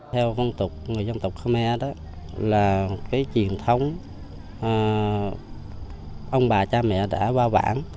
theo phong tục người dân tộc khmer đó là cái truyền thống ông bà cha mẹ đã qua bản